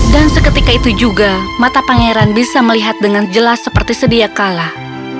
dan seketika itu juga mata pangeran bisa melihat dengan jelas seperti sedia kalah